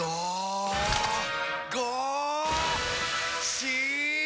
し！